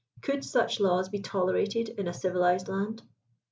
Could such laws be tolerated in a civilized land